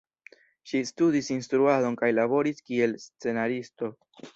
Ŝi studis instruadon kaj laboris kiel scenaristo.